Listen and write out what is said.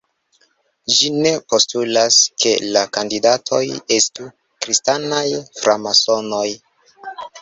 Ĝi "ne" postulas ke kandidatoj estu kristanaj framasonoj.